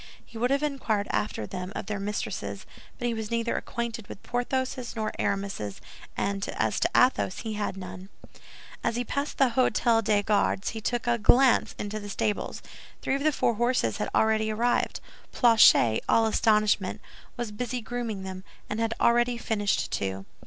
He would have inquired after them of their mistresses, but he was neither acquainted with Porthos's nor Aramis's, and as to Athos, he had none. As he passed the Hôtel des Gardes, he took a glance into the stables. Three of the four horses had already arrived. Planchet, all astonishment, was busy grooming them, and had already finished two.